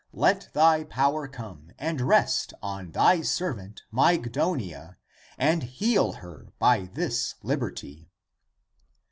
Let thy power come and rest on thy servant Mygdonia, and heal her by this liberty."